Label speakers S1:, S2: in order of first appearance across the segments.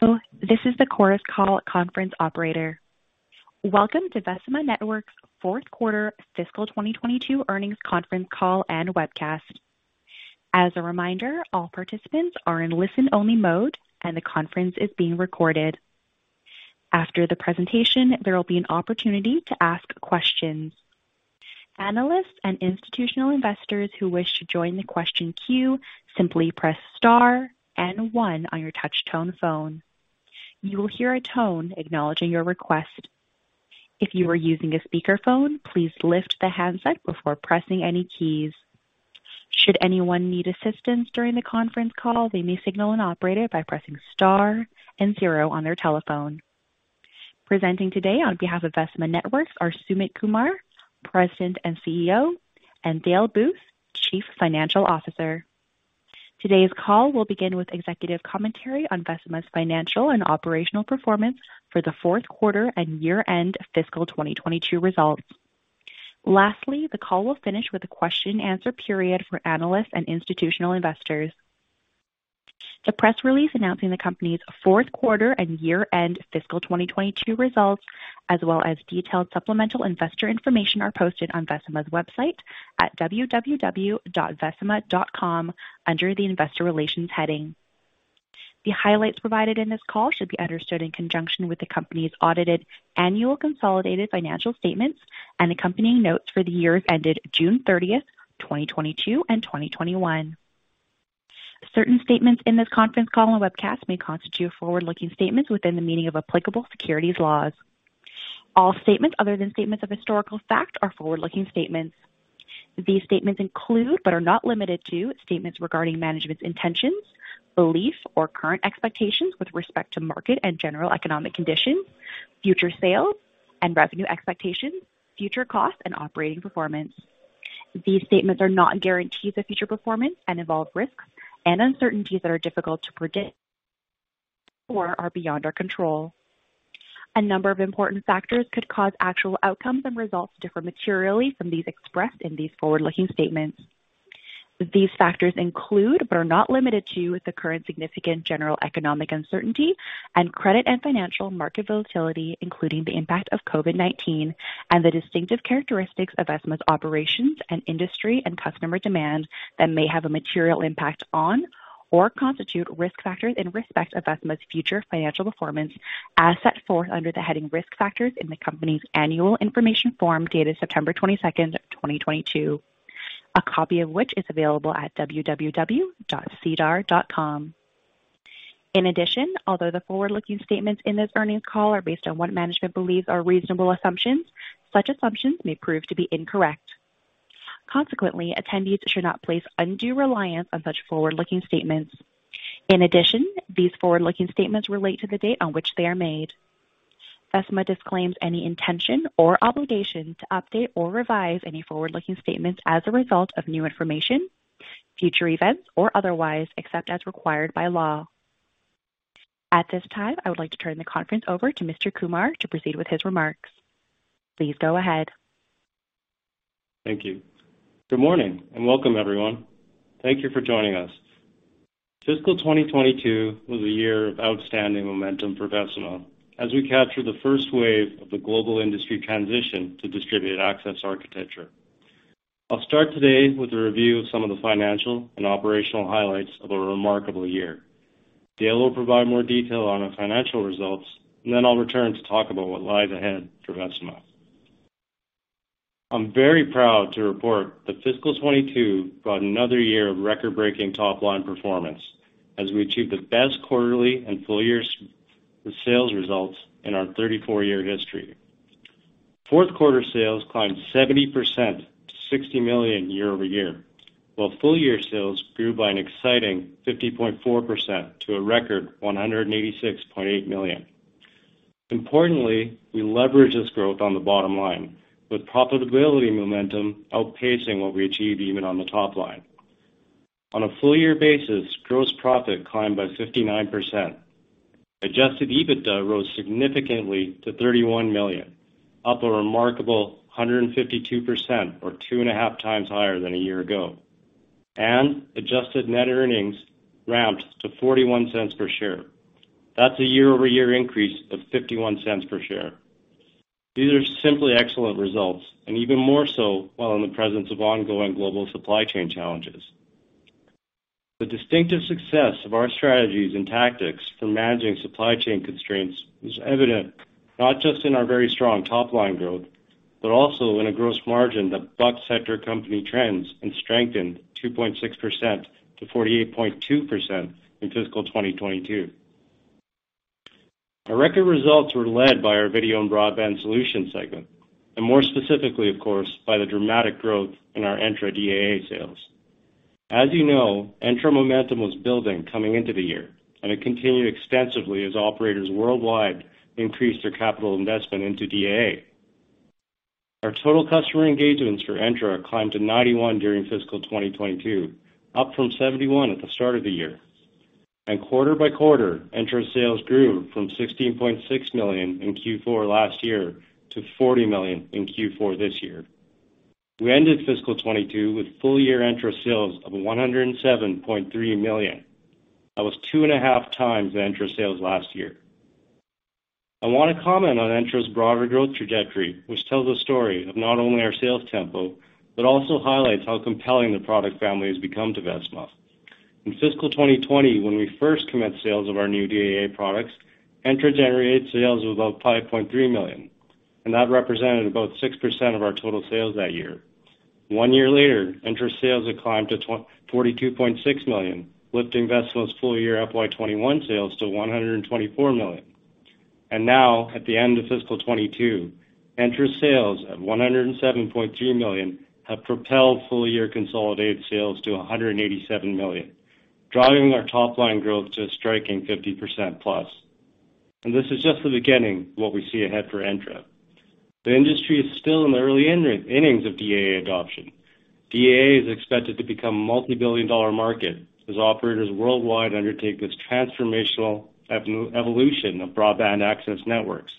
S1: Hello, this is the Chorus Call conference operator. Welcome to Vecima Networks Q4 fiscal 2022 earnings conference call and webcast. As a reminder, all participants are in listen-only mode, and the conference is being recorded. After the presentation, there will be an opportunity to ask questions. Analysts and institutional investors who wish to join the question queue, simply press star and 1 on your touch tone phone. You will hear a tone acknowledging your request. If you are using a speakerphone, please lift the handset before pressing any keys. Should anyone need assistance during the conference call, they may signal an operator by pressing star and 0 on their telephone. Presenting today on behalf of Vecima Networks are Sumit Kumar, President and Chief Executive Officer, and Dale Booth, Chief Financial Officer. Today's call will begin with executive commentary on Vecima's financial and operational performance for the Q4 and year-end fiscal 2022 results. Lastly, the call will finish with a question and answer period for analysts and institutional investors. The press release announcing the company's Q4 and year-end fiscal 2022 results, as well as detailed supplemental investor information, are posted on Vecima's website at www.vecima.com under the Investor Relations heading. The highlights provided in this call should be understood in conjunction with the company's audited annual consolidated financial statements and accompanying notes for the years ended June 30, 2022 and 2021. Certain statements in this conference call and webcast may constitute forward-looking statements within the meaning of applicable securities laws. All statements other than statements of historical fact are forward-looking statements. These statements include, but are not limited to, statements regarding management's intentions, beliefs or current expectations with respect to market and general economic conditions, future sales and revenue expectations, future costs and operating performance. These statements are not guarantees of future performance and involve risks and uncertainties that are difficult to predict or are beyond our control. A number of important factors could cause actual outcomes and results to differ materially from those expressed in these forward-looking statements. These factors include, but are not limited to, the current significant general economic uncertainty and credit and financial market volatility, including the impact of COVID-19 and the distinctive characteristics of Vecima's operations and industry and customer demand that may have a material impact on or constitute risk factors in respect of Vecima's future financial performance, as set forth under the heading Risk Factors in the company's Annual Information Form dated September 22, 2022, a copy of which is available at www.sedar.com. In addition, although the forward-looking statements in this earnings call are based on what management believes are reasonable assumptions, such assumptions may prove to be incorrect. Consequently, attendees should not place undue reliance on such forward-looking statements. In addition, these forward-looking statements relate to the date on which they are made. Vecima disclaims any intention or obligation to update or revise any forward-looking statements as a result of new information, future events or otherwise, except as required by law. At this time, I would like to turn the conference over to Mr. Kumar to proceed with his remarks. Please go ahead.
S2: Thank you. Good morning and welcome, everyone. Thank you for joining us. Fiscal 2022 was a year of outstanding momentum for Vecima as we captured the first wave of the global industry transition to distributed access architecture. I'll start today with a review of some of the financial and operational highlights of a remarkable year. Dale will provide more detail on our financial results, and then I'll return to talk about what lies ahead for Vecima. I'm very proud to report that fiscal 2022 brought another year of record-breaking top-line performance as we achieved the best quarterly and full year sales results in our 34-year history. Q4 sales climbed 70% to 60 million year-over-year, while full year sales grew by an exciting 50.4% to a record 186.8 million. Importantly, we leveraged this growth on the bottom line with profitability momentum outpacing what we achieved even on the top line. On a full year basis, gross profit climbed by 59%. Adjusted EBITDA rose significantly to 31 million, up a remarkable 152% or 2.5x Higher than a year ago. Adjusted net earnings ramped to 0.41 per share. That's a year-over-year increase of 0.51 per share. These are simply excellent results and even more so while in the presence of ongoing global supply chain challenges. The distinctive success of our strategies and tactics for managing supply chain constraints is evident not just in our very strong top-line growth, but also in a gross margin that bucked sector company trends and strengthened 2.6% to 48.2% in fiscal 2022. Our record results were led by our Video and Broadband Solutions segment, and more specifically, of course, by the dramatic growth in our Entra DAA sales. As you know, Entra momentum was building coming into the year, and it continued extensively as operators worldwide increased their capital investment into DAA. Our total customer engagements for Entra climbed to 91 during fiscal 2022, up from 71 at the start of the year. Quarter-by-quarter, Entra sales grew from 16.6 million in Q4 last year to 40 million in Q4 this year. We ended fiscal 2022 with full year Entra sales of 107.3 million. That was 2.5x The Entra sales last year. I wanna comment on Entra's broader growth trajectory, which tells a story of not only our sales tempo, but also highlights how compelling the product family has become to Vecima. In fiscal 2020, when we first commenced sales of our new DAA products, Entra generated sales of about 5.3 million, and that represented about 6% of our total sales that year. 1 year later, Entra sales had climbed to 42.6 Million, lifting Vecima's full year FY 2021 sales to 124 million. Now, at the end of fiscal 2022, Entra sales of 107.3 million have propelled full year consolidated sales to 187 million, driving our top line growth to a striking 50%+. This is just the beginning of what we see ahead for Entra. The industry is still in the early innings of DAA adoption. DAA is expected to become a multi-billion-dollar market as operators worldwide undertake this transformational evolution of broadband access networks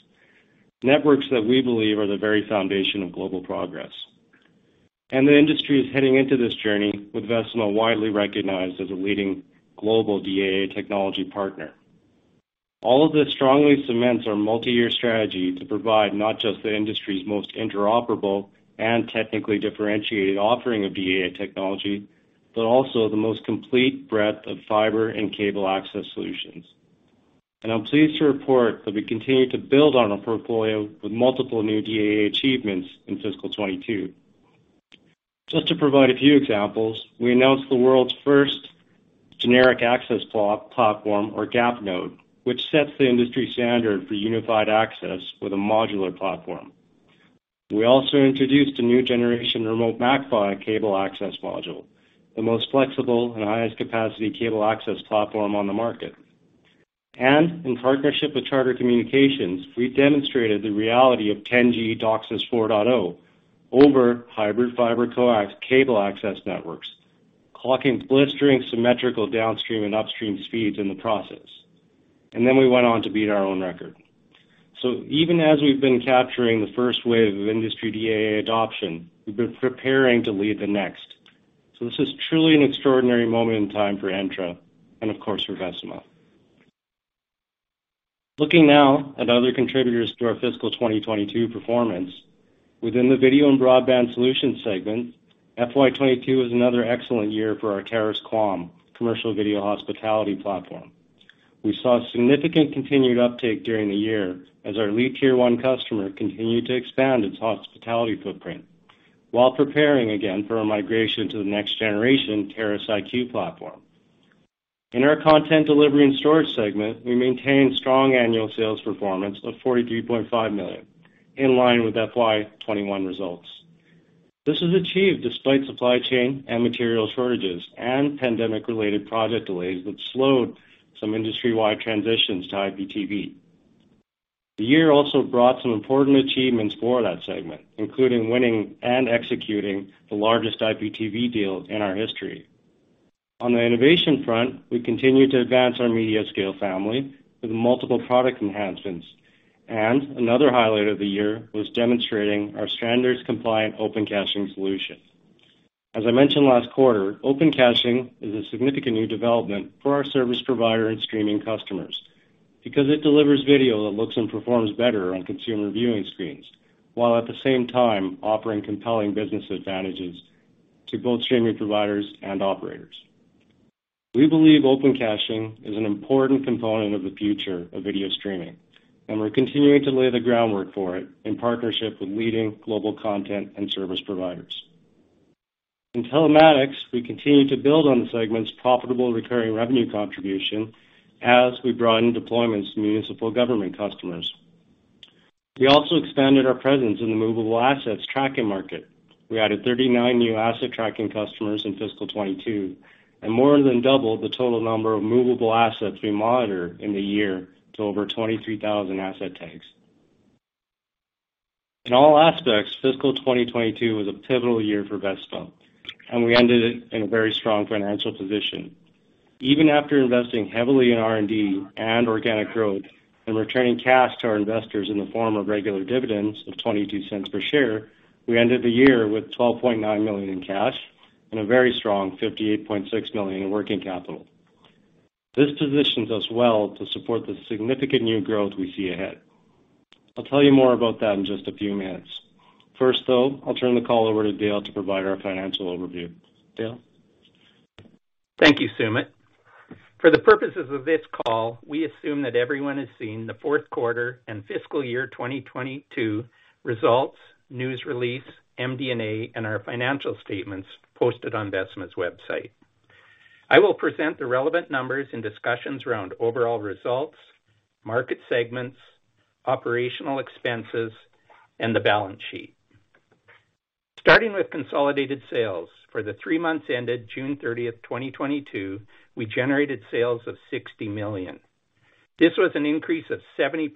S2: that we believe are the very foundation of global progress. The industry is heading into this journey with Vecima widely recognized as a leading global DAA technology partner. All of this strongly cements our multi-year strategy to provide not just the industry's most interoperable and technically differentiated offering of DAA technology, but also the most complete breadth of fiber and cable access solutions. I'm pleased to report that we continue to build on our portfolio with multiple new DAA achievements in fiscal 2022. Just to provide a few examples, we announced the world's first generic access platform, or GAP node, which sets the industry standard for unified access with a modular platform. We also introduced a new generation remote MAC-PHY cable access module, the most flexible and highest capacity cable access platform on the market. In partnership with Charter Communications, we demonstrated the reality of 10G DOCSIS 4.0 over hybrid fiber-coax cable access networks, clocking blistering symmetrical downstream and upstream speeds in the process. Then we went on to beat our own record. Even as we've been capturing the first wave of industry DAA adoption, we've been preparing to lead the next. This is truly an extraordinary moment in time for Entra and, of course, for Vecima. Looking now at other contributors to our fiscal 2022 performance, within the Video and Broadband Solutions segment, FY '22 is another excellent year for our Terrace QAM commercial video hospitality platform. We saw significant continued uptake during the year as our lead T1 customer continued to expand its hospitality footprint while preparing again for a migration to the next generation Terrace IQ platform. In our content delivery and storage segment, we maintained strong annual sales performance of 43.5 million, in line with FY 2021 results. This was achieved despite supply chain and material shortages and pandemic-related project delays that slowed some industry-wide transitions to IPTV. The year also brought some important achievements for that segment, including winning and executing the largest IPTV deals in our history. On the innovation front, we continued to advance our MediaScale family with multiple product enhancements. Another highlight of the year was demonstrating our standards compliant Open Caching solution. As I mentioned last quarter, Open Caching is a significant new development for our service provider and streaming customers because it delivers video that looks and performs better on consumer viewing screens, while at the same time offering compelling business advantages to both streaming providers and operators. We believe Open Caching is an important component of the future of video streaming, and we're continuing to lay the groundwork for it in partnership with leading global content and service providers. In Telematics, we continued to build on the segment's profitable recurring revenue contribution as we broaden deployments to municipal government customers. We also expanded our presence in the movable assets tracking market. We added 39 new asset tracking customers in fiscal 2022, and more than doubled the total number of movable assets we monitor in the year to over 23,000 asset tags. In all aspects, fiscal 2022 was a pivotal year for Vecima, and we ended it in a very strong financial position. Even after investing heavily in R&D and organic growth and returning cash to our investors in the form of regular dividends of 0.22 per share, we ended the year with 12.9 million in cash and a very strong 58.6 million in working capital. This positions us well to support the significant new growth we see ahead. I'll tell you more about that in just a few minutes. First, though, I'll turn the call over to Dale to provide our financial overview. Dale?
S3: Thank you, Sumit. For the purposes of this call, we assume that everyone has seen the Q4 and fiscal year 2022 results, news release, MD&A, and our financial statements posted on Vecima's website. I will present the relevant numbers and discussions around overall results, market segments, operational expenses, and the balance sheet. Starting with consolidated sales, for the 3 months ended June 30, 2022, we generated sales of 60 million. This was an increase of 70%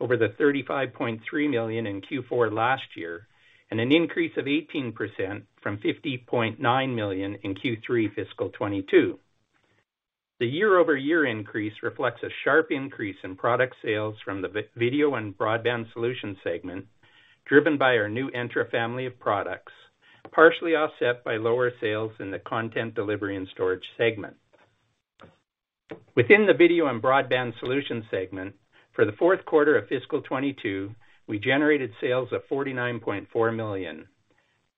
S3: over the 35.3 million in Q4 last year, and an increase of 18% from 50.9 million in Q3 fiscal 2022. The year-over-year increase reflects a sharp increase in product sales from the Video and Broadband Solutions segment, driven by our new Entra family of products, partially offset by lower sales in the Content Delivery and Storage segment. Within the Video and Broadband Solutions segment, for the Q4 of fiscal 2022, we generated sales of 49.4 million.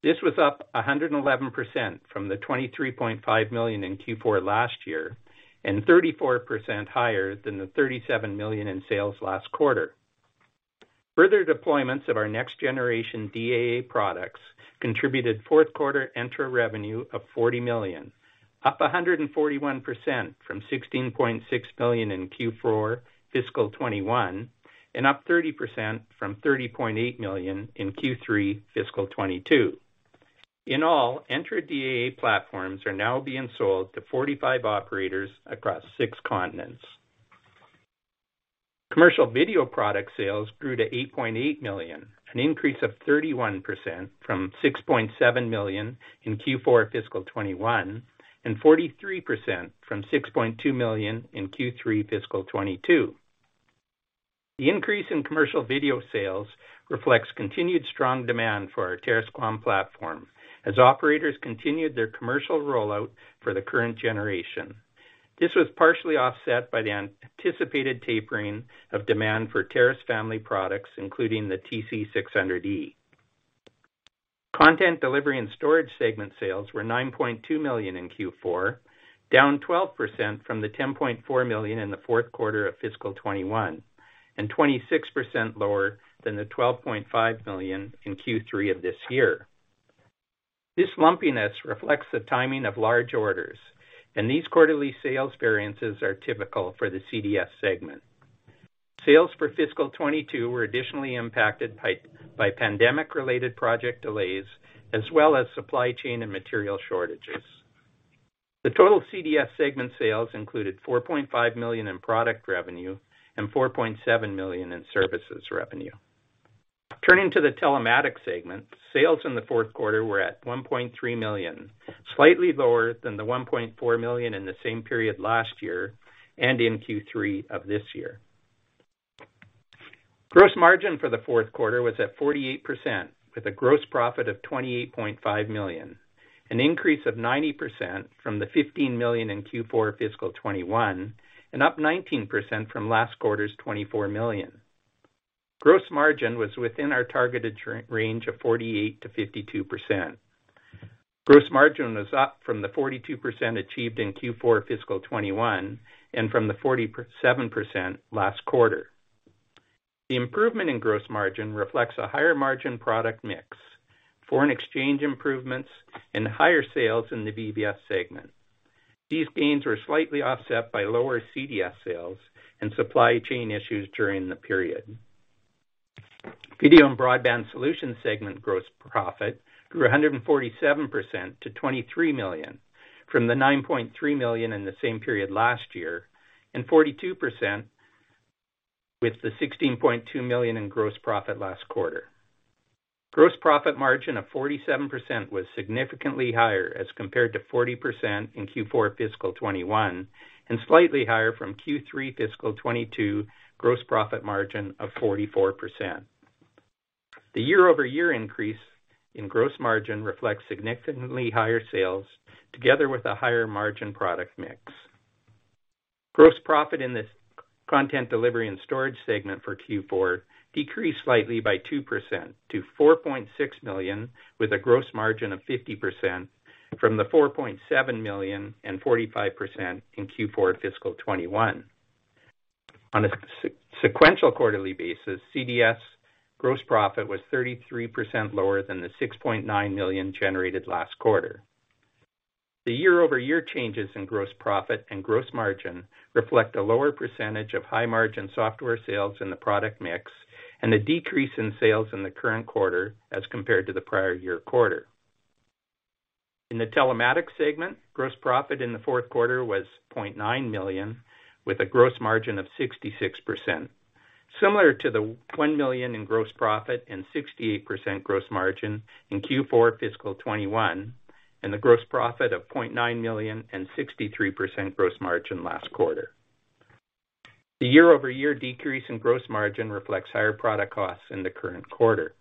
S3: This was up 111% from the 23.5 million in Q4 last year and 34% higher than the 37 million in sales last quarter. Further deployments of our next generation DAA products contributed Q4 Entra revenue of 40 million, up 141% from 16.6 million in Q4 fiscal 2021, and up 30% from 30.8 million in Q3 fiscal 2022. In all, Entra DAA platforms are now being sold to 45 operators across 6 continents. Commercial video product sales grew to 8.8 million, an increase of 31% from 6.7 million in Q4 fiscal 2021 and 43% from 6.2 million in Q3 fiscal 2022. The increase in commercial video sales reflects continued strong demand for our Terrace QAM platform as operators continued their commercial rollout for the current generation. This was partially offset by the anticipated tapering of demand for Terrace family products, including the TC600E. Content Delivery and Storage segment sales were 9.2 million in Q4, down 12% from the 10.4 million in the Q4 of fiscal 2021 and 26% lower than the 12.5 million in Q3 of this year. This lumpiness reflects the timing of large orders, and these quarterly sales variances are typical for the CDS segment. Sales for fiscal 2022 were additionally impacted by pandemic-related project delays as well as supply chain and material shortages. The total CDS segment sales included 4.5 million in product revenue and 4.7 million in services revenue. Turning to the Telematics segment, sales in the Q4 were at 1.3 million, slightly lower than the 1.4 million in the same period last year and in Q3 of this year. Gross margin for the Q4 was at 48%, with a gross profit of 28.5 million, an increase of 90% from the 15 million in Q4 fiscal 2021 and up 19% from last quarter's 24 million. Gross margin was within our targeted range of 48%-52%. Gross margin was up from the 42% achieved in Q4 fiscal 2021 and from the 47% last quarter. The improvement in gross margin reflects a higher margin product mix, foreign exchange improvements and higher sales in the VBS segment. These gains were slightly offset by lower CDS sales and supply chain issues during the period. Video and Broadband Solutions segment gross profit grew 147% to 23 million from the 9.3 million in the same period last year and 42% with the 16.2 million in gross profit last quarter. Gross profit margin of 47% was significantly higher as compared to 40% in Q4 fiscal 2021 and slightly higher from Q3 fiscal 2022 gross profit margin of 44%. The year-over-year increase in gross margin reflects significantly higher sales together with a higher margin product mix. Gross profit in the Content Delivery and Storage segment for Q4 decreased slightly by 2% to 4.6 million, with a gross margin of 50% from the 4.7 million and 45% in Q4 fiscal 2021. On a sequential quarterly basis, CDS gross profit was 33% lower than the 6.9 million generated last quarter. The year-over-year changes in gross profit and gross margin reflect a lower percentage of high-margin software sales in the product mix and a decrease in sales in the current quarter as compared to the prior year quarter. In the Telematics segment, gross profit in the Q4 was 0.9 million, with a gross margin of 66%, similar to the 1 million in gross profit and 68% gross margin in Q4 fiscal 2021, and the gross profit of 0.9 million and 63% gross margin last quarter. The year-over-year decrease in gross margin reflects higher product costs in the current quarter.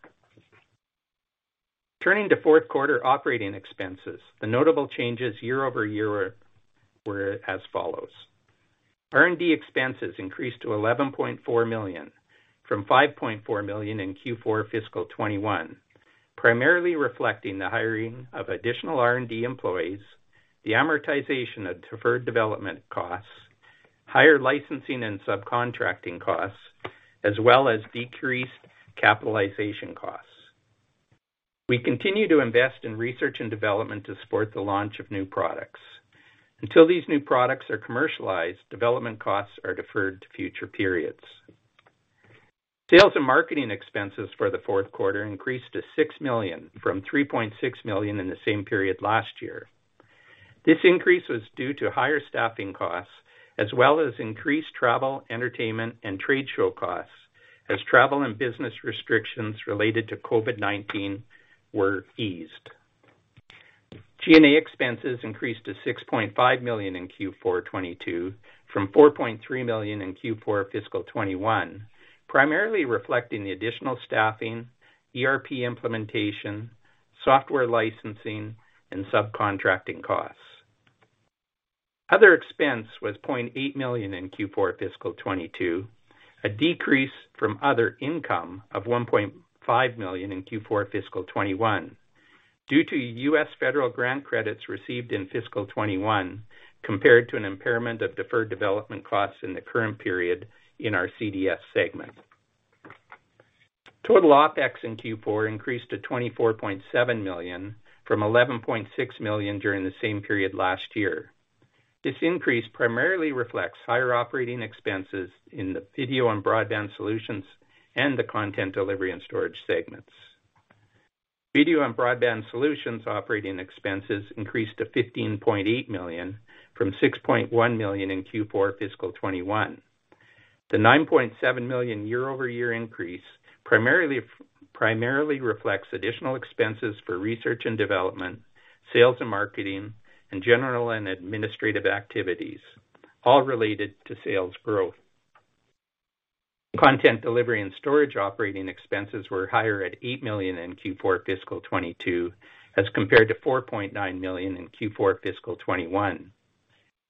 S3: Turning to Q4 operating expenses, the notable changes year-over-year were as follows. R&D expenses increased to 11.4 million from 5.4 million in Q4 fiscal 2021, primarily reflecting the hiring of additional R&D employees, the amortization of deferred development costs, higher licensing and subcontracting costs, as well as decreased capitalization costs. We continue to invest in research and development to support the launch of new products. Until these new products are commercialized, development costs are deferred to future periods. Sales and marketing expenses for the Q4 increased to 6 million from 3.6 million in the same period last year. This increase was due to higher staffing costs as well as increased travel, entertainment, and trade show costs as travel and business restrictions related to COVID-19 were eased. G&A expenses increased to 6.5 million in Q4 2022 from 4.3 million in Q4 fiscal 2021, primarily reflecting the additional staffing, ERP implementation, software licensing, and subcontracting costs. Other expense was 0.8 million in Q4 fiscal 2022, a decrease from other income of 1.5 million in Q4 fiscal 2021 due to US federal grant credits received in fiscal 2021, compared to an impairment of deferred development costs in the current period in our CDS segment. Total OpEx in Q4 increased to 24.7 million from 11.6 million during the same period last year. This increase primarily reflects higher operating expenses in the Video and Broadband Solutions and the Content Delivery and Storage segments. Video and Broadband Solutions operating expenses increased to 15.8 million from 6.1 million in Q4 fiscal 2021. The 9.7 million year-over-year increase primarily reflects additional expenses for research and development, sales and marketing, and general and administrative activities, all related to sales growth. Content Delivery and Storage operating expenses were higher at 8 million in Q4 fiscal 2022 as compared to 4.9 million in Q4 fiscal 2021.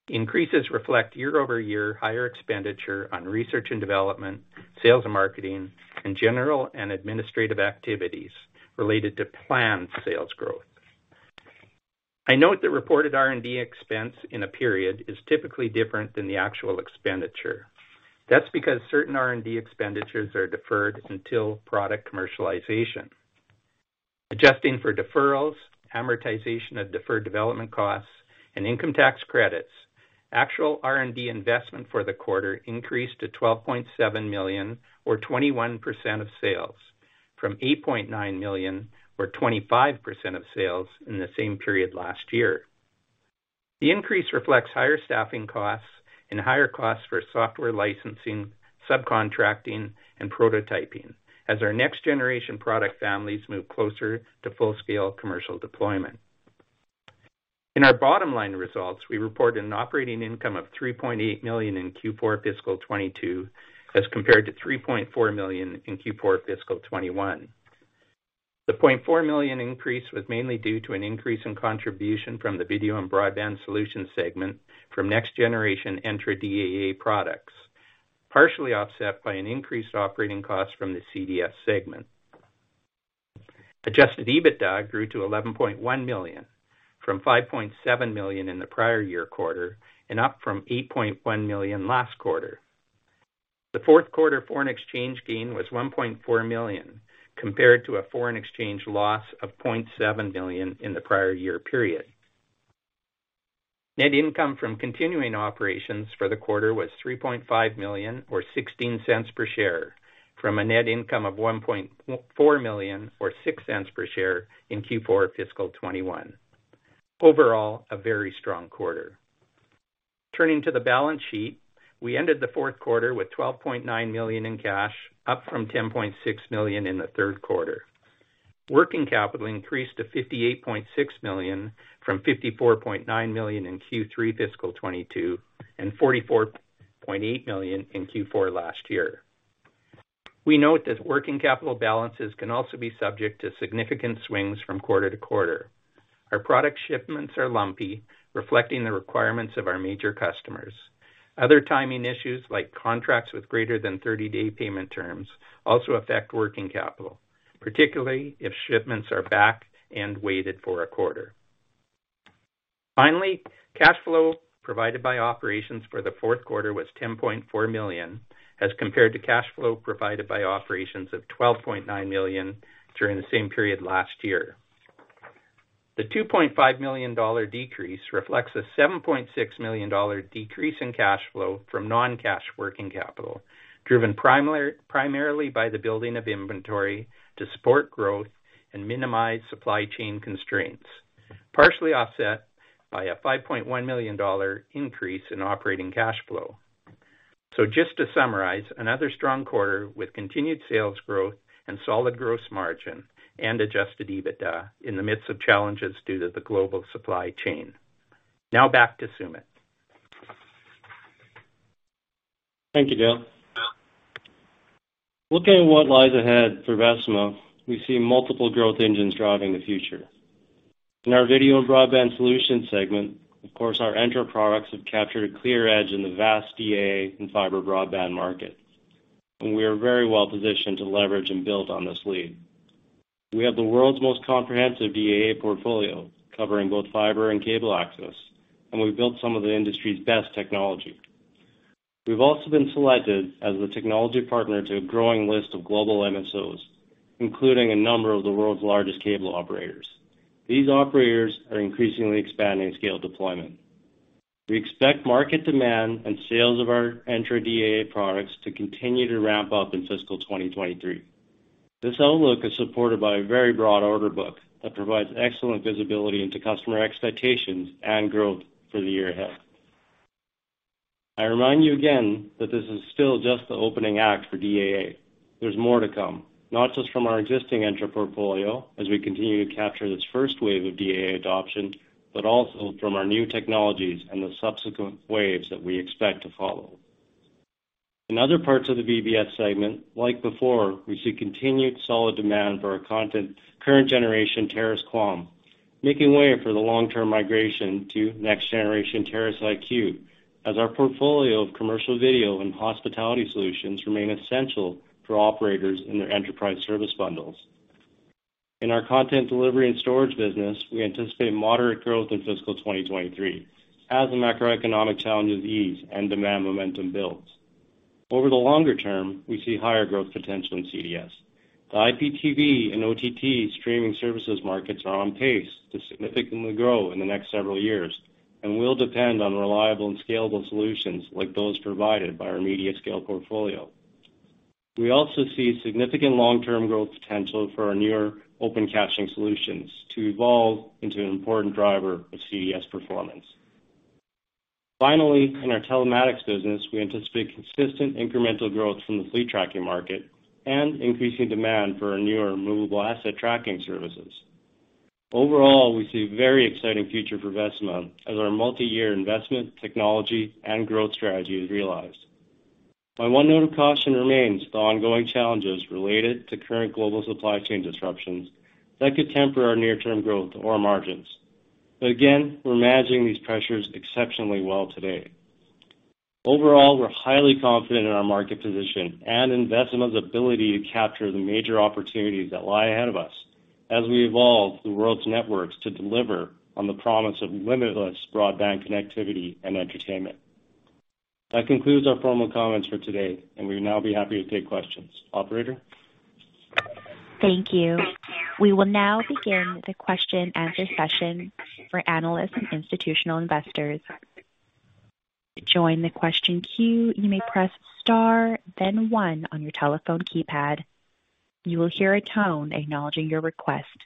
S3: Increases reflect year-over-year higher expenditure on research and development, sales and marketing, and general and administrative activities related to planned sales growth. I note that reported R&D expense in a period is typically different than the actual expenditure. That's because certain R&D expenditures are deferred until product commercialization. Adjusting for deferrals, amortization of deferred development costs, and income tax credits, actual R&D investment for the quarter increased to 12.7 million or 21% of sales from 8.9 million or 25% of sales in the same period last year. The increase reflects higher staffing costs and higher costs for software licensing, subcontracting, and prototyping as our next-generation product families move closer to full-scale commercial deployment. In our bottom line results, we reported an operating income of 3.8 million in Q4 fiscal 2022 as compared to 3.4 million in Q4 fiscal 2021. The 0.4 million increase was mainly due to an increase in contribution from the Video and Broadband Solutions segment from next-generation Entra DAA products, partially offset by an increased operating cost from the CDS segment. Adjusted EBITDA grew to 11.1 million from 5.7 million in the prior year quarter and up from 8.1 million last quarter. The Q4 foreign exchange gain was 1.4 million, compared to a foreign exchange loss of 0.7 million in the prior year period. Net income from continuing operations for the quarter was 3.5 million or 0.16 per share, from a net income of 1.4 million or 0.06 per share in Q4 fiscal 2021. Overall, a very strong quarter. Turning to the balance sheet, we ended the Q4 with 12.9 million in cash, up from 10.6 million in the third quarter. Working capital increased to 58.6 million from 54.9 million in Q3 fiscal 2022 and 44.8 million in Q4 last year. We note that working capital balances can also be subject to significant swings from quarter-quarter. Our product shipments are lumpy, reflecting the requirements of our major customers. Other timing issues like contracts with greater than 30-day payment terms also affect working capital, particularly if shipments are back-ended for a quarter. Finally, cash flow provided by operations for the Q4 was 10.4 million, as compared to cash flow provided by operations of 12.9 million during the same period last year. The 2.5 million dollar decrease reflects a 7.6 million dollar decrease in cash flow from non-cash working capital, driven primarily by the building of inventory to support growth and minimize supply chain constraints, partially offset by a 5.1 million dollar increase in operating cash flow. Just to summarize, another strong quarter with continued sales growth and solid gross margin and adjusted EBITDA in the midst of challenges due to the global supply chain. Now back to Sumit.
S2: Thank you, Dale. Looking at what lies ahead for Vecima, we see multiple growth engines driving the future. In our Video and Broadband Solutions segment, of course, our Entra products have captured a clear edge in the vast DAA and fiber broadband markets, and we are very well positioned to leverage and build on this lead. We have the world's most comprehensive DAA portfolio covering both fiber and cable access, and we've built some of the industry's best technology. We've also been selected as the technology partner to a growing list of global MSOs, including a number of the world's largest cable operators. These operators are increasingly expanding scale deployment. We expect market demand and sales of our Entra DAA products to continue to ramp up in fiscal 2023. This outlook is supported by a very broad order book that provides excellent visibility into customer expectations and growth for the year ahead. I remind you again that this is still just the opening act for DAA. There's more to come, not just from our existing Entra portfolio as we continue to capture this first wave of DAA adoption, but also from our new technologies and the subsequent waves that we expect to follow. In other parts of the VBS segment, like before, we see continued solid demand for our current generation Terrace QAM, making way for the long-term migration to next generation Terrace IQ as our portfolio of commercial video and hospitality solutions remain essential for operators in their enterprise service bundles. In our content delivery and storage business, we anticipate moderate growth in fiscal 2023 as the macroeconomic challenges ease and demand momentum builds. Over the longer term, we see higher growth potential in CDS. The IPTV and OTT streaming services markets are on pace to significantly grow in the next several years and will depend on reliable and scalable solutions like those provided by our MediaScale portfolio. We also see significant long-term growth potential for our newer Open Caching solutions to evolve into an important driver of CDS performance. Finally, in our telematics business, we anticipate consistent incremental growth from the fleet tracking market and increasing demand for our newer movable asset tracking services. Overall, we see very exciting future for Vecima as our multiyear investment, technology and growth strategy is realized. My 1 note of caution remains the ongoing challenges related to current global supply chain disruptions that could temper our near-term growth or margins. Again, we're managing these pressures exceptionally well today. Overall, we're highly confident in our market position and in Vecima's ability to capture the major opportunities that lie ahead of us as we evolve the world's networks to deliver on the promise of limitless broadband connectivity and entertainment. That concludes our formal comments for today, and we'll now be happy to take questions. Operator?
S1: Thank you. We will now begin the Q&A session for analysts and institutional investors. To join the question queue, you may press star then1 on your telephone keypad. You will hear a tone acknowledging your request.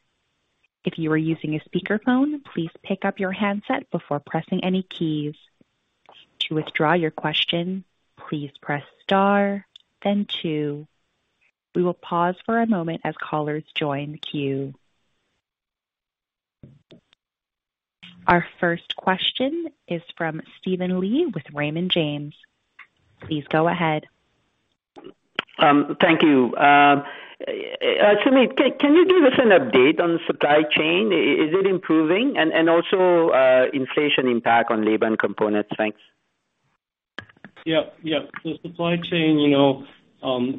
S1: If you are using a speakerphone, please pick up your handset before pressing any keys. To withdraw your question, please press star then 2. We will pause for a moment as callers join the queue. Our first question is from Steven Li with Raymond James. Please go ahead.
S4: Thank you. Sumit, can you give us an update on supply chain? Is it improving? Also, inflation impact on labor and components? Thanks.
S2: Yeah. The supply chain, you know,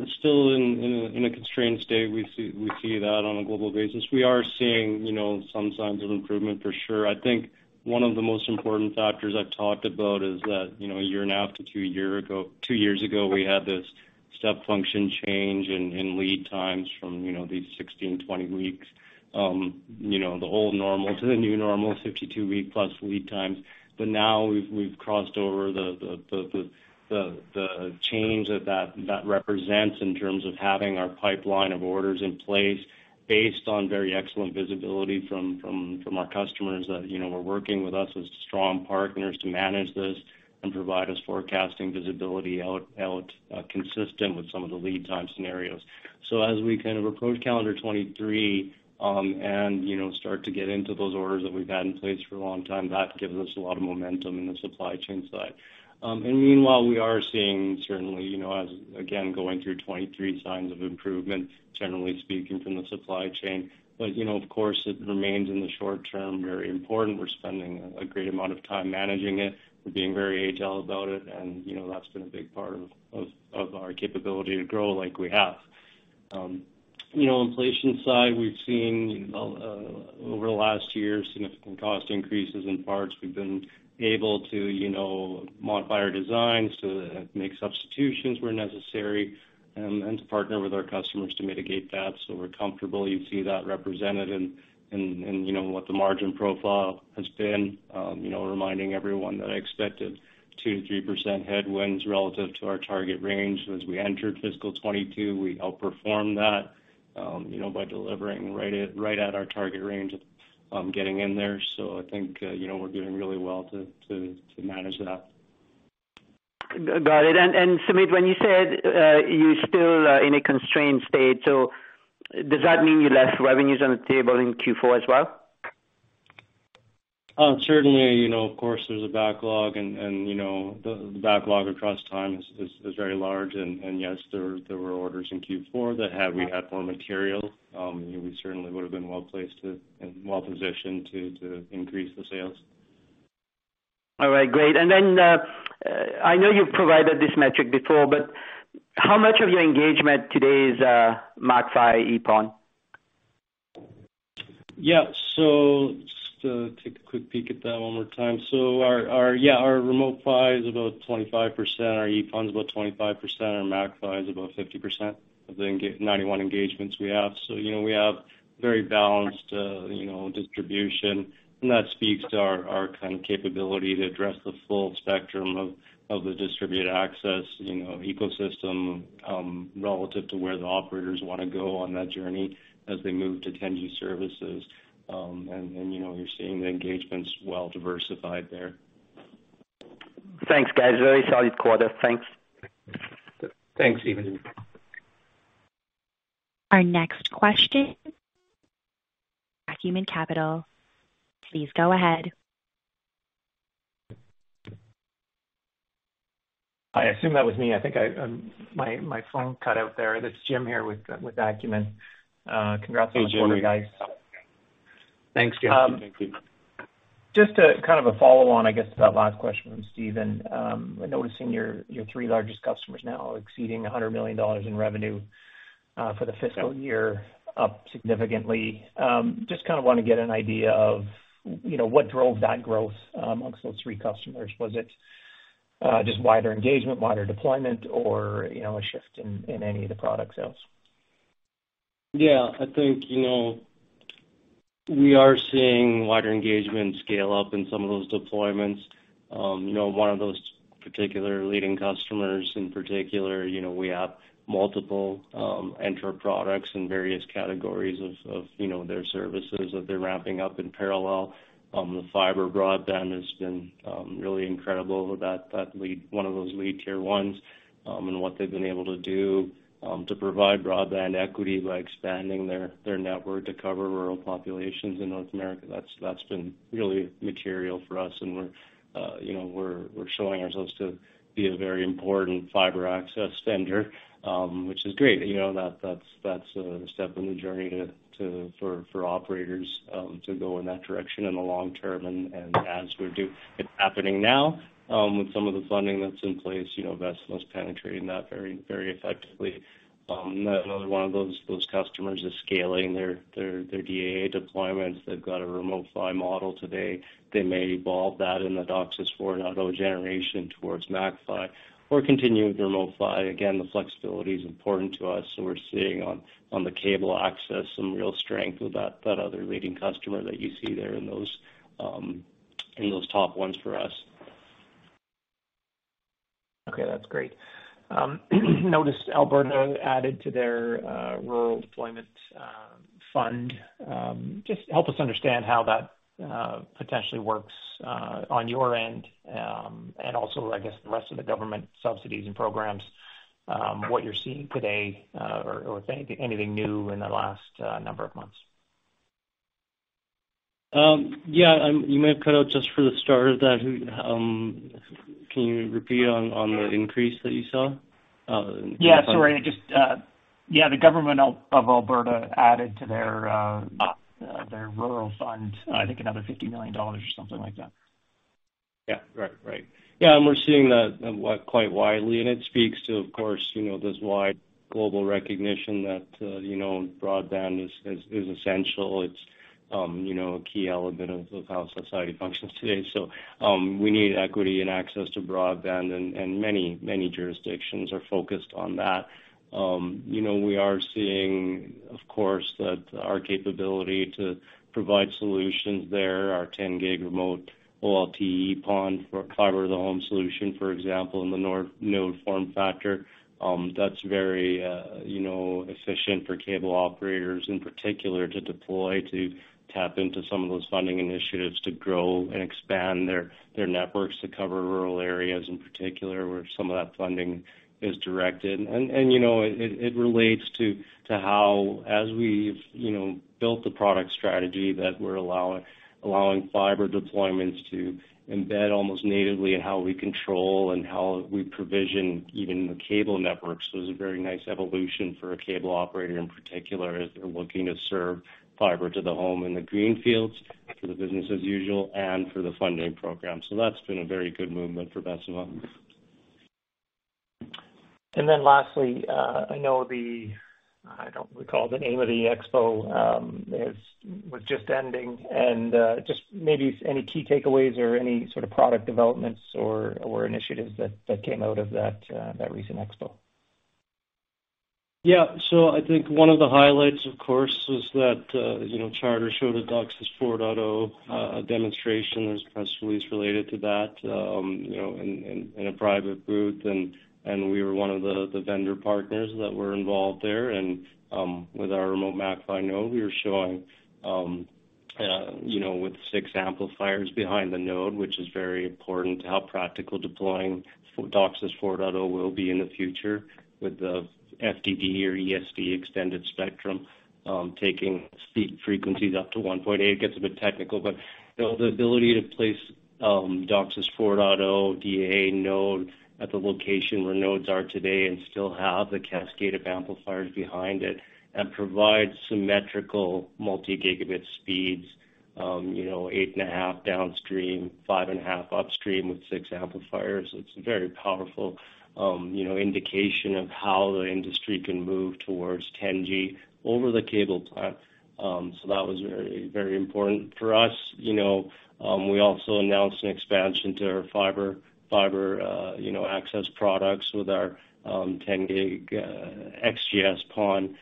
S2: is still in a constrained state. We see that on a global basis. We are seeing, you know, some signs of improvement for sure. I think 1 of the most important factors I've talked about is that, you know, a year and a half to 2 years ago, we had this step function change in lead times from these 16-20 weeks, the old normal to the new normal 52-week plus lead times. Now we've crossed over the change that represents in terms of having our pipeline of orders in place based on very excellent visibility from our customers that you know are working with us as strong partners to manage this and provide us forecasting visibility out consistent with some of the lead time scenarios. As we kind of approach calendar 2023 and you know start to get into those orders that we've had in place for a long time, that gives us a lot of momentum in the supply chain side. Meanwhile, we are seeing certainly you know as again going through 2023 signs of improvement generally speaking from the supply chain. You know of course it remains in the short term very important. We're spending a great amount of time managing it. We're being very agile about it and, you know, that's been a big part of our capability to grow like we have. You know, inflation side, we've seen over the last year, significant cost increases in parts. We've been able to, you know, modify our designs to make substitutions where necessary and to partner with our customers to mitigate that. We're comfortable you see that represented in, you know, what the margin profile has been. You know, reminding everyone that I expected 2%-3% headwinds relative to our target range. As we entered fiscal 2022, we outperformed that, you know, by delivering right at our target range of getting in there. I think, you know, we're doing really well to manage that.
S4: Got it. Sumit, when you said you're still in a constrained state, so does that mean you left revenues on the table in Q4 as well?
S2: Certainly, you know, of course, there's a backlog and, you know, the backlog across time is very large. Yes, there were orders in Q4 that had we had more material, we certainly would have been well-placed to and well-positioned to increase the sales.
S4: All right, great. I know you've provided this metric before, but how much of your engagement today is MAC-PHY, EPON?
S2: Yeah. Just to take a quick peek at that 1 more time. Our remote PHY is about 25%, our EPON's about 25%, and MAC-PHY is about 50% of the 91 engagements we have. You know, we have very balanced, you know, distribution, and that speaks to our kind of capability to address the full spectrum of the distributed access, you know, ecosystem, relative to where the operators wanna go on that journey as they move to 10G services. You know, you're seeing the engagements well diversified there.
S4: Thanks, guys. Very solid quarter. Thanks.
S2: Thanks, Steven.
S1: Our next question, Acumen Capital. Please go ahead.
S5: I assume that was me. I think I, my phone cut out there. That's Jim here with Acumen. Congrats on the quarter, guys.
S2: Hey, Jim. Thanks, Jim. Thank you.
S5: Just to kind of a follow on, I guess, to that last question from Steven, noticing your 3 largest customers now exceeding 100 million dollars in revenue for the fiscal year up significantly. Just kinda wanna get an idea of, you know, what drove that growth amongst those 3 customers. Was it just wider engagement, wider deployment, or, you know, a shift in any of the product sales?
S2: Yeah, I think, you know, we are seeing wider engagement scale up in some of those deployments. You know, 1 of those particular leading customers in particular, you know, we have multiple, Entra products in various categories of, you know, their services that they're ramping up in parallel. The fiber broadband has been really incredible with that, 1 of those leading T1, and what they've been able to do to provide broadband equity by expanding their network to cover rural populations in North America. That's been really material for us, and we're, you know, we're showing ourselves to be a very important fiber access vendor, which is great. You know, that's a step in the journey to for operators to go in that direction in the long term. As we do, it's happening now with some of the funding that's in place, you know, Vecima's penetrating that very effectively. Another 1 of those customers is scaling their DAA deployments. They've got a Remote PHY model today. They may evolve that in the DOCSIS 4.0 next generation towards MAC-PHY or continue with the Remote PHY. Again, the flexibility is important to us, so we're seeing on the cable access some real strength with that other leading customer that you see there in those top ones for us.
S5: Okay, that's great. Noticed Alberta added to their rural deployment fund. Just help us understand how that potentially works on your end. Also I guess the rest of the government subsidies and programs, what you're seeing today, or anything new in the last number of months.
S2: Yeah, you may have cut out just for the start of that. Can you repeat on the increase that you saw?
S5: Yeah, sorry. Just, yeah, the government of Alberta added to their rural fund, I think another 50 million dollars or something like that.
S2: Yeah. Right. Right. Yeah, we're seeing that quite widely, and it speaks to, of course, you know, this wide global recognition that, you know, broadband is essential. It's, you know, a key element of how society functions today. We need equity and access to broadband, and many jurisdictions are focused on that. You know, we are seeing, of course, that our capability to provide solutions there, our 10G Remote OLT EPON for fiber to the home solution, for example, in the node form factor, that's very, you know, efficient for cable operators in particular to deploy, to tap into some of those funding initiatives to grow and expand their networks to cover rural areas in particular, where some of that funding is directed. You know, it relates to how as we've you know built the product strategy that we're allowing fiber deployments to embed almost natively in how we control and how we provision even the cable networks. It's a very nice evolution for a cable operator in particular, as they're looking to serve fiber to the home in the greenfield for the business as usual and for the funding program. That's been a very good movement for Vecima.
S5: Lastly, I don't recall the name of the expo. It was just ending, and just maybe any key takeaways or any sort of product developments or initiatives that came out of that recent expo.
S2: Yeah. I think 1 of the highlights, of course, is that, you know, Charter showed a DOCSIS 4.0 demonstration. There's a press release related to that, you know, in a private booth. We were one of the vendor partners that were involved there. With our remote MAC-PHY node, we were showing, you know, with 6 amplifiers behind the node, which is very important to how practical deploying DOCSIS 4.0 will be in the future with the FDD or ESD (Extended Spectrum DOCSIS) extended spectrum, taking spectrum frequencies up to 1.8. It gets a bit technical, but you know, the ability to place DOCSIS 4.0 DAA node at the location where nodes are today and still have the cascade of amplifiers behind it and provide symmetrical multi-gigabit speeds, you know, 8.5 downstream, 5.5 upstream with 6 amplifiers, it's very powerful, you know, indication of how the industry can move towards 10G over the cable plant. That was very, very important. For us, you know, we also announced an expansion to our fiber access products with our 10G XGS-PON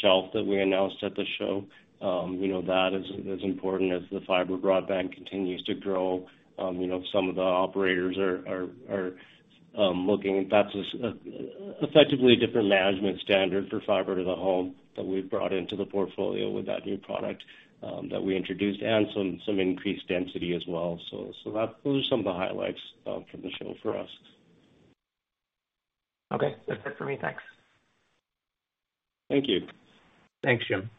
S2: shelf that we announced at the show. You know, that is as important as the fiber broadband continues to grow. You know, some of the operators are looking. That's effectively different management standard for fiber to the home that we've brought into the portfolio with that new product that we introduced and some increased density as well. Those are some of the highlights from the show for us.
S5: Okay, that's it for me. Thanks.
S2: Thank you.
S3: Thanks, Jim.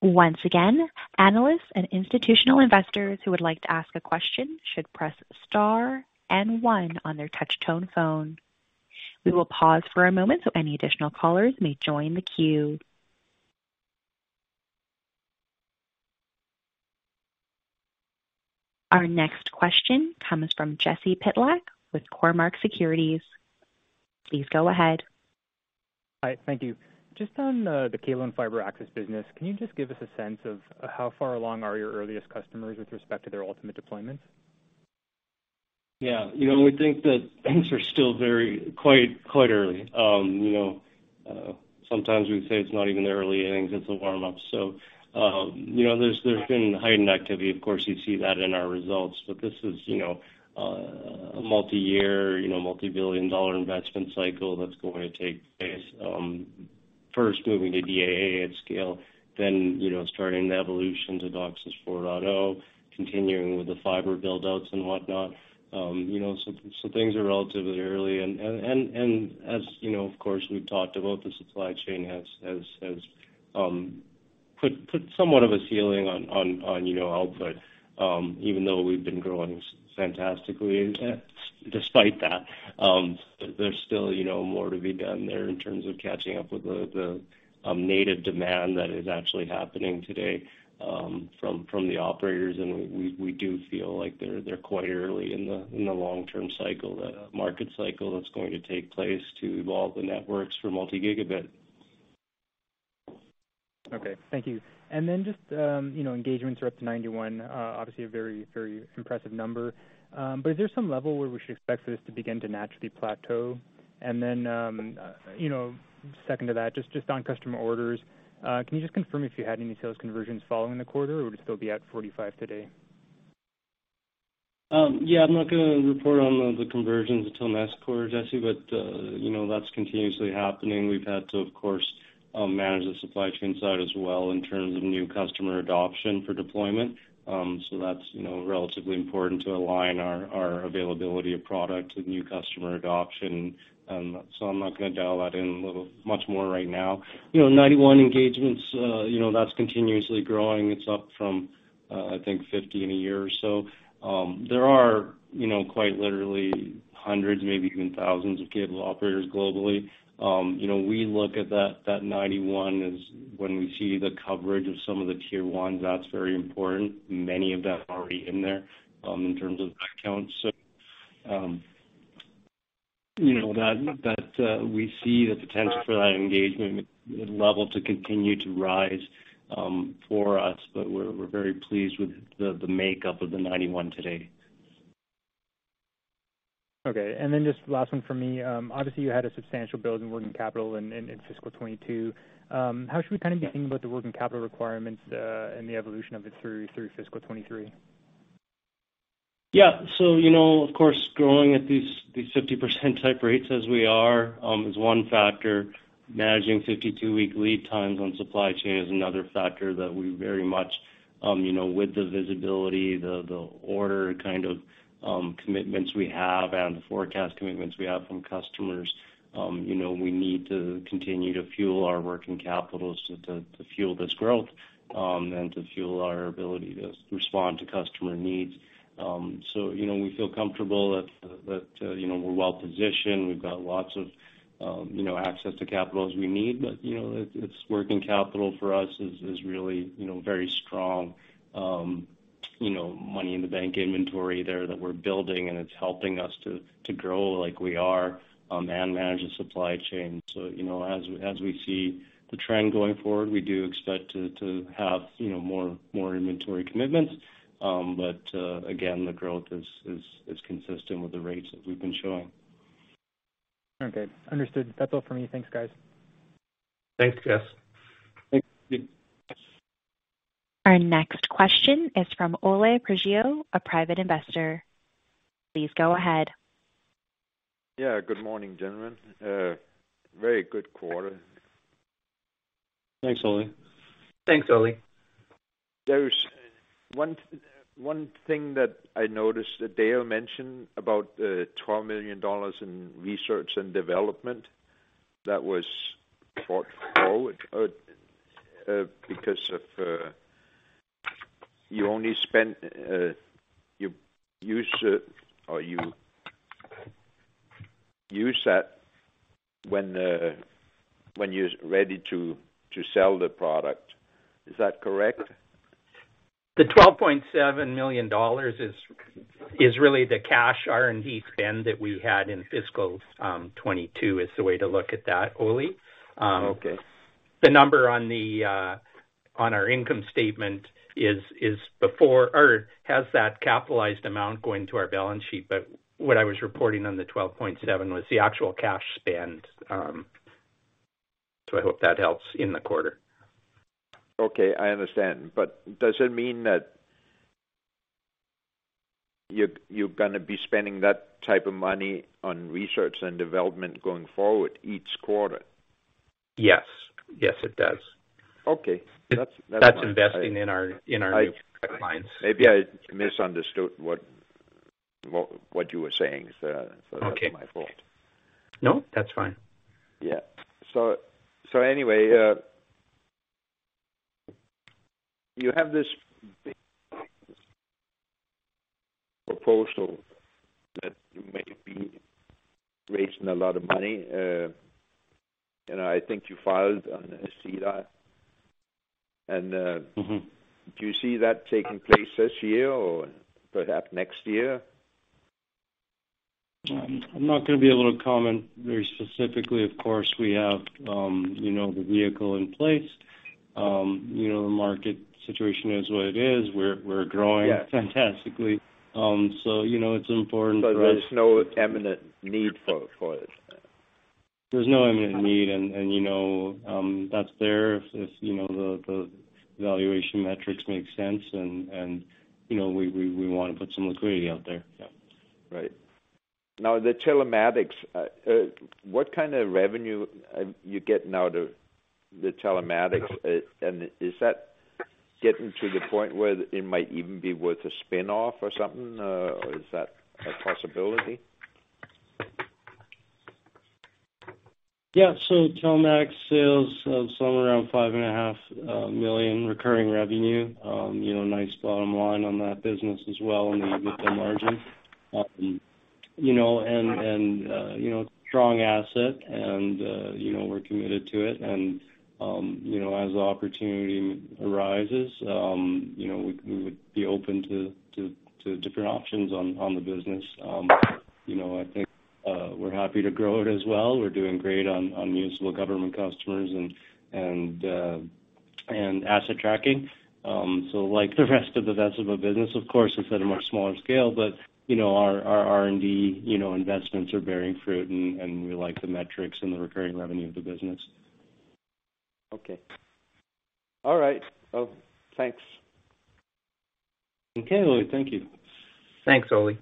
S1: Once again, analysts and institutional investors who would like to ask a question should press Star and 1 on their touch-tone phone. We will pause for a moment so any additional callers may join the queue. Our next question comes from Jesse Pytlak with Cormark Securities. Please go ahead.
S6: Hi. Thank you. Just on, the cable and fiber access business, can you just give us a sense of how far along are your earliest customers with respect to their ultimate deployments?
S2: Yeah. You know, we think that things are still very, quite early. You know, sometimes we say it's not even the early innings, it's a warm-up. You know, there's been heightened activity. Of course, you see that in our results. But this is, you know, a multi-year, you know, multi-billion-dollar investment cycle that's going to take place. First moving to DAA at scale, then, you know, starting the evolution to DOCSIS 4.0, continuing with the fiber build-outs and whatnot. You know, so things are relatively early and as you know, of course, we've talked about the supply chain has put somewhat of a ceiling on, you know, output. Even though we've been growing fantastically, despite that, there's still, you know, more to be done there in terms of catching up with the native demand that is actually happening today from the operators. We do feel like they're quite early in the long-term cycle, the market cycle that's going to take place to evolve the networks for multi-gigabit.
S6: Okay. Thank you. Just, you know, engagements are up to 91, obviously a very, very impressive number. Is there some level where we should expect for this to begin to naturally plateau? You know, second to that, just on customer orders, can you just confirm if you had any sales conversions following the quarter or would it still be at 45 today?
S2: Yeah, I'm not gonna report on the conversions until next quarter, Jesse, but you know, that's continuously happening. We've had to, of course, manage the supply chain side as well in terms of new customer adoption for deployment. That's, you know, relatively important to align our availability of product to new customer adoption. I'm not gonna dial that in a little much more right now. You know, 91 engagements, you know, that's continuously growing. It's up from, I think 50 in a year or so. There are, you know, quite literally hundreds, maybe even thousands of cable operators globally. You know, we look at that 91 as when we see the coverage of some of the tier ones, that's very important. Many of them are already in there, in terms of that count. You know that we see the potential for that engagement level to continue to rise, for us, but we're very pleased with the makeup of the 91 today.
S6: Okay. Just last 1 for me. Obviously you had a substantial build in working capital in fiscal 2022. How should we kind of be thinking about the working capital requirements, and the evolution of it through fiscal 2023?
S2: Yeah. You know, of course, growing at these 50% type rates as we are is 1 factor. Managing 52-week lead times on supply chain is another factor that we very much, you know, with the visibility, the order kind of commitments we have and the forecast commitments we have from customers, you know, we need to continue to fuel our working capital so to fuel this growth and to fuel our ability to respond to customer needs. You know, we feel comfortable that, you know, we're well positioned. We've got lots of, you know, access to capital as we need, but, you know, it's working capital for us is really, you know, very strong, you know, money in the bank inventory there that we're building, and it's helping us to grow like we are, and manage the supply chain. As we see the trend going forward, we do expect to have, you know, more inventory commitments. Again, the growth is consistent with the rates that we've been showing.
S6: Okay. Understood. That's all for me. Thanks, guys.
S2: Thanks, Jesse.
S3: Thanks.
S1: Our next question is from Ole Prsa, a private investor. Please go ahead.
S7: Yeah, good morning, gentlemen. Very good quarter.
S2: Thanks, Ole.
S3: Thanks, Ole.
S7: There's 1 thing that I noticed that Dale mentioned about 12 million dollars in research and development that was brought forward because of you only spent you use or you use that when you're ready to sell the product. Is that correct?
S3: The 12.7 million dollars is really the cash R&D spend that we had in fiscal 2022, is the way to look at that, Ole.
S7: Okay.
S3: The number on our income statement is before or has that capitalized amount going to our balance sheet. What I was reporting on the 12.7 was the actual cash spend. I hope that helps in the quarter.
S7: Okay, I understand. Does it mean that you're gonna be spending that type of money on research and development going forward each quarter?
S2: Yes. Yes, it does.
S7: Okay. That's
S2: That's investing in our new product lines.
S7: Maybe I misunderstood what you were saying. That's my fault.
S2: No, that's fine.
S7: Yeah. Anyway, you have this proposal that you may be raising a lot of money, and I think you filed on SEDAR.
S2: Mm-hmm.
S7: Do you see that taking place this year or perhaps next year?
S2: I'm not gonna be able to comment very specifically. Of course, we have, you know, the vehicle in place. You know, the market situation is what it is. We're growing.
S7: Yeah.
S2: Fantastically. You know, it's important for us.
S7: There's no imminent need for it.
S2: There's no imminent need and you know that's there if you know the valuation metrics make sense and you know we wanna put some liquidity out there. Yeah.
S7: Right. Now, the Telematics, what kind of revenue you get from the Telematics? Is that getting to the point where it might even be worth a spin-off or something, or is that a possibility?
S2: Yeah. Telematics sales of somewhere around 5.5 million recurring revenue. You know, nice bottom line on that business as well in the EBITDA margin. You know, and strong asset and you know, we're committed to it. You know, as the opportunity arises, you know, we would be open to different options on the business. You know, I think we're happy to grow it as well. We're doing great on municipal government customers and asset tracking. Like the rest of the Vecima business, of course, it's at a much smaller scale, but you know, our R&D investments are bearing fruit and we like the metrics and the recurring revenue of the business.
S7: Okay. All right. Well, thanks.
S2: Okay, Ole. Thank you.
S3: Thanks, Ole.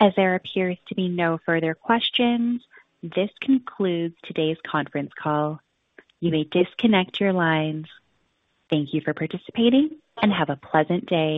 S1: As there appears to be no further questions, this concludes today's conference call. You may disconnect your lines. Thank you for participating, and have a pleasant day.